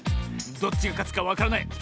どっちがかつかわからない。